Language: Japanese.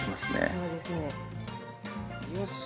そうですね。よし！